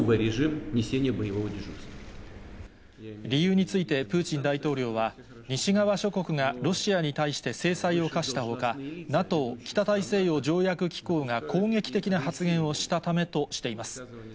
理由についてプーチン大統領は、西側諸国がロシアに対して制裁を科したほか、ＮＡＴＯ・北大西洋条約機構が攻撃的な発言をしたためとしています。